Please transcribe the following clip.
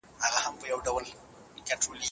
د ماسټرۍ برنامه په ناقانونه توګه نه جوړیږي.